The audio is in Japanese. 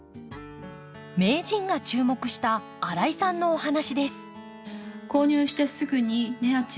名人が注目した新井さんのお話です。